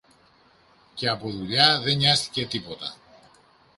και από δουλειά δε νοιάστηκε τίποτα